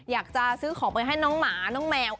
อยากจะซื้อของไปให้น้องหมาน้องแมว